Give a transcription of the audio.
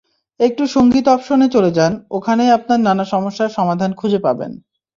একটু সংগীত অপশনে চলে যান, ওখানেই আপনার নানা সমস্যার সমাধান খুঁজে পাবেন।